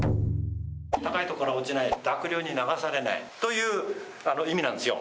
高い所から落ちないように、濁流に流されないという意味なんですよ。